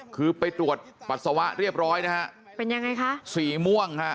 คือไปตรวจปัสสาวะเรียบร้อยนะฮะเป็นยังไงคะสีม่วงฮะ